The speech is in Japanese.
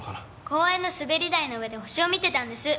公園の滑り台の上で星を見てたんです！